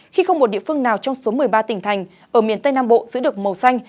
khi không một địa phương nào trong số một mươi ba tỉnh thành ở miền tây nam bộ giữ được màu xanh